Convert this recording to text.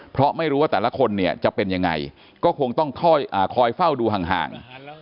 เพราะไม่รู้ว่าแต่ละคนเนี่ยจะเป็นยังไงก็คงต้องคอยเฝ้าดูห่าง